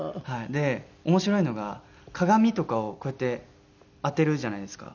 で面白いのが鏡とかをこうやって当てるじゃないですか。